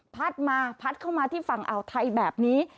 พัดมาพัดเข้ามาที่ฝั่งอ่าวไทยแบบนี้